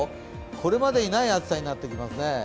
これまでにない暑さになってきますね。